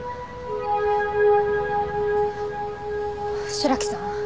白木さん？